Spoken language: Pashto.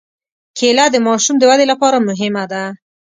کېله د ماشوم د ودې لپاره مهمه ده.